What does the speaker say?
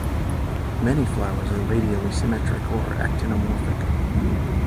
Many flowers are radially symmetric or actinomorphic.